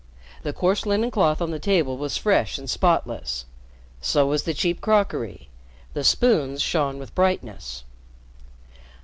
The coarse linen cloth on the table was fresh and spotless, so was the cheap crockery, the spoons shone with brightness.